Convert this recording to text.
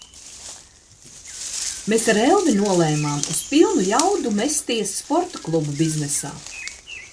Mēs ar Elvi nolēmām uz pilnu jaudu mesties sporta klubu biznesā.